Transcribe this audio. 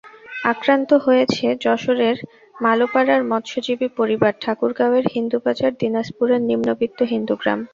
আক্রান্ত হয়েছে যশোরের মালোপাড়ার মৎস্যজীবী পরিবার, ঠাকুরগাঁওয়ের হিন্দুবাজার, দিনাজপুরের নিম্নবিত্ত হিন্দু গ্রাম।